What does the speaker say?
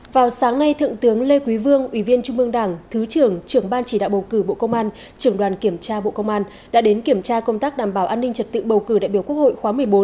vào sáng nay thượng tướng lê quý vương ủy viên trung mương đảng thứ trưởng trưởng ban chỉ đạo bầu cử bộ công an trưởng đoàn kiểm tra bộ công an đã đến kiểm tra công tác đảm bảo an ninh trật tự bầu cử đại biểu quốc hội khóa một mươi bốn